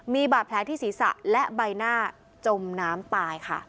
มีบาดแผลที่ศีรษะและใบหน้าจมน้ำตายค่ะ